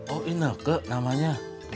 oh ineke namanya